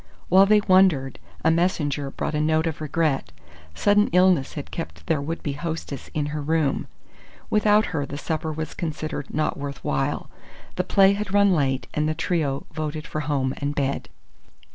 While they wondered, a messenger brought a note of regret. Sudden illness had kept their would be hostess in her room. Without her, the supper was considered not worth while. The play had run late, and the trio voted for home and bed.